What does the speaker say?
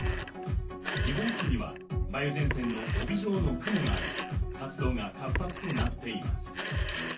日本付近には梅雨前線の帯状の雲があり、活動が活発となっています。